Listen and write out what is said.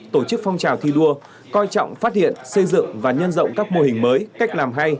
tổ chức phong trào thi đua coi trọng phát hiện xây dựng và nhân rộng các mô hình mới cách làm hay